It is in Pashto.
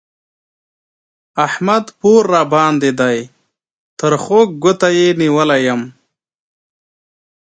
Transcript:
احمد پور راباندې دی؛ تر خوږ ګوته يې نيولی يم